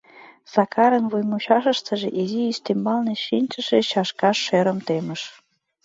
Сакарын вуймучашыштыже изи ӱстембалне шинчыше чашкаш шӧрым темыш.